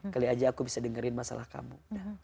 kali aja aku bisa dengerin masalah kamu